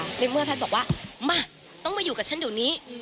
ในเมื่อแพทย์บอกว่ามาต้องมาอยู่กับฉันเดี๋ยวนี้